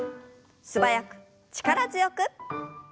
素早く力強く。